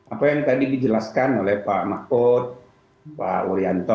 apa yang tadi dijelaskan oleh pak makud pak urianto